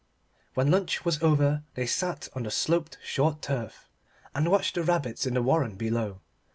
When lunch was over they sat on the sloped, short turf and watched the rabbits in the warren below.